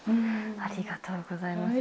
ありがとうございます。